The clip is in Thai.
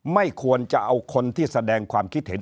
ไม่ควรจะเอาคนที่แสดงความคิดเห็น